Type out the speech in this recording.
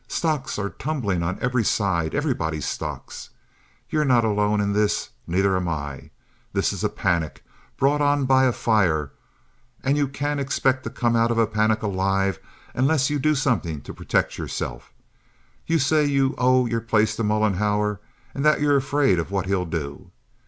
Stocks are tumbling on every side—everybody's stocks. You're not alone in this—neither am I. This is a panic, brought on by a fire, and you can't expect to come out of a panic alive unless you do something to protect yourself. You say you owe your place to Mollenhauer and that you're afraid of what he'll do.